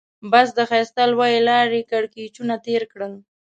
بس د ښایسته لويې لارې کږلېچونه تېر کړل.